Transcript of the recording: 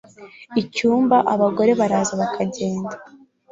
ucyumba abagore baraza bakagenda